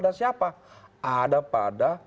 ada siapa ada pada